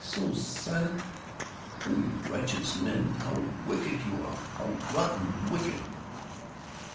So silent Oh, you righteous men! How wicked you are! How rotten wicked!"